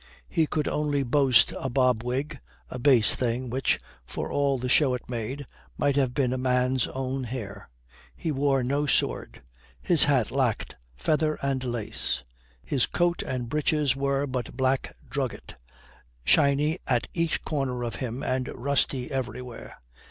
He could only boast a bob wig, a base thing, which, for all the show it made, might have been a man's own hair. He wore no sword. His hat lacked feather and lace. His coat and breeches were but black drugget, shiny at each corner of him and rusty everywhere.